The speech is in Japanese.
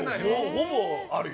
ほぼあるよ